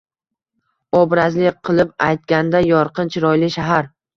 Obrazli qilib aytganda, yorqin, chiroyli shahar